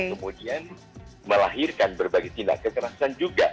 kemudian melahirkan berbagai tindak kekerasan juga